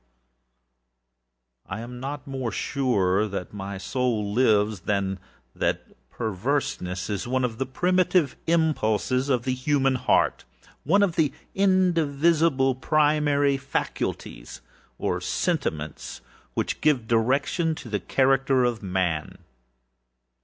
Yet I am not more sure that my soul lives, than I am that perverseness is one of the primitive impulses of the human heartâone of the indivisible primary faculties, or sentiments, which give direction to the character of Man.